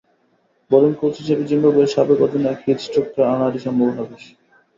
Bowling coach হিসেবে জিম্বাবুয়ের সাবেক অধিনায়ক হিথ স্ট্রিককে আনারই সম্ভাবনা বেশি।